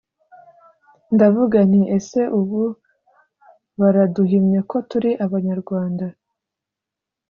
ndavuga nti ‘ese ubu baraduhimye ko turi Abanyarwanda